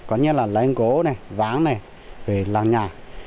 có như là lấy ngố này váng này để làm nhà